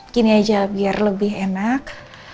gini aja biar lebih enak